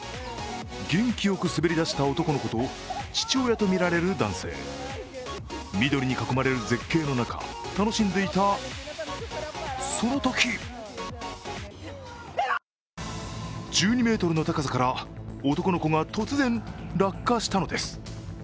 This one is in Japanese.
元気よく滑り出した男の子と父親とみられる男性、緑に囲まれる絶景の中、楽しんでいた、そのとき１２ｍの高さから男の子が突然落下したのです。